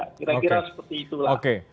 kira kira seperti itulah